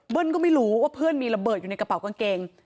ก็ไม่รู้ว่าเพื่อนมีระเบิดอยู่ในกระเป๋ากางเกง